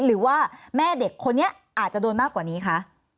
หรือว่าแม่เด็กคนนี้อาจจะโดนมากกว่านี้คะ